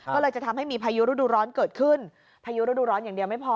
ก็เลยจะทำให้มีพายุฤดูร้อนเกิดขึ้นพายุฤดูร้อนอย่างเดียวไม่พอ